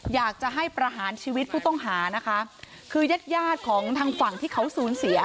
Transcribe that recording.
อยากจะให้ประหารชีวิตผู้ต้องหานะคะคือยาดของทางฝั่งที่เขาสูญเสีย